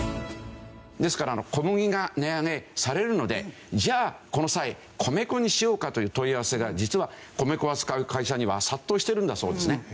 ですから小麦が値上げされるのでじゃあこの際米粉にしようかという問い合わせが実は米粉を扱う会社には殺到してるんだそうですね。